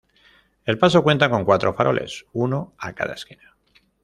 El paso cuenta con cuatro faroles, uno a cada esquina.